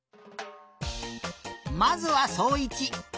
まずはそういち。